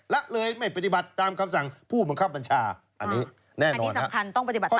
ละเลยไม่ปฏิบัติตามคำสั่งผู้บังคับบัญชาอันนี้แน่อันนี้สำคัญต้องปฏิบัติธรรม